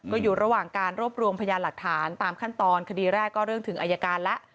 ก็อยู่ระหว่างการรวบรวมพยานหลักฐานตามขั้นตอนคดีแรกก็เรื่องถึงอายการแล้ว